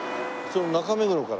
中目黒から。